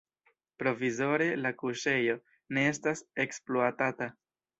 Provizore la kuŝejo ne estas ekspluatata.